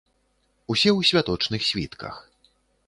Усе ў святочных світках.